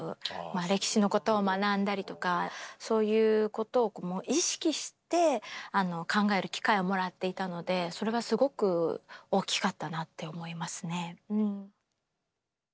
歴史のことを学んだりとかそういうことを意識して考える機会をもらっていたのでそれがすごく大きかったなって思いますね。